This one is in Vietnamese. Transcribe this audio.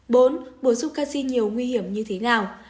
bốn bổ sung canxi nhiều nguy hiểm như thế nào